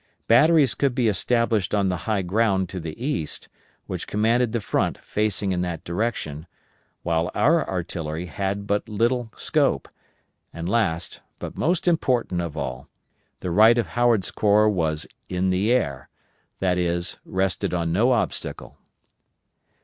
Batteries could be established on the high ground to the east, which commanded the front facing in that direction, while our own artillery had but little scope; and last, but most important of all, the right of Howard's corps as "in the air," that is, rested on no obstacle.